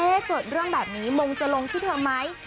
เกิดเรื่องแบบนี้มงจะลงที่เธอไหม